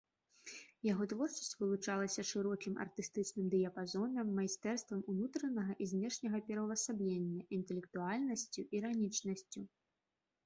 Яго творчасць вылучалася шырокім артыстычным дыяпазонам, майстэрствам унутранага і знешняга пераўвасаблення, інтэлектуальнасцю, іранічнасцю.